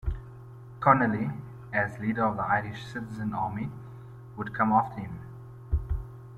Connolly, as leader of the Irish Citizen Army, would come after him.